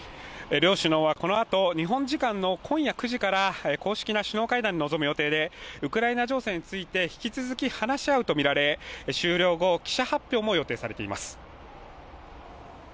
両首脳はこのあと日本時間の午後９時から公式な首脳会談に臨むとみられていて引き続き話し合うと見られ、終了後記者発表も予定されています。